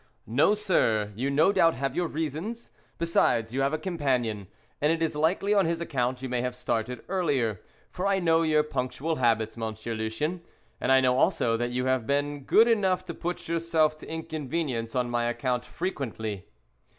"No, sir; you no doubt have your reasons; besides you have a companion, and it is likely on his account you may have started earlier, for I know your punctual habits, Monsieur Lucien, and I know also that you have been good enough to put yourself to inconvenience on my account frequently."